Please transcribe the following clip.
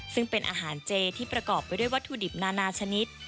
ซึ่งเป็นอาหารเจที่ประกอบไปด้วยวัตถุดิบนานาชนิด